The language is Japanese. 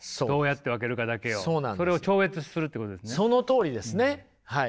そのとおりですねはい。